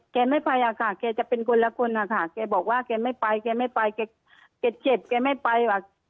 แกไม่ไปอะค่ะแกจะเป็นคนละคนนะคะแกบอกว่าแกไม่ไปแกไม่ไปแกเจ็บแกไม่ไปว่ะ